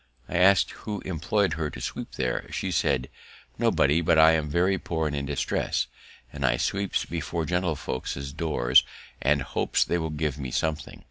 I ask'd who employ'd her to sweep there; she said, "Nobody, but I am very poor and in distress, and I sweeps before gentle folkses doors, and hopes they will give me something."